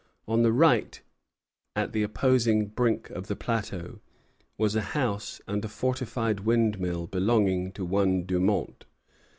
On the right, at the opposite brink of the plateau, was a house and a fortified windmill belonging to one Dumont.